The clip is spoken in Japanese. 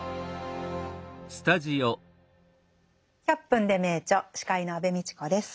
「１００分ｄｅ名著」司会の安部みちこです。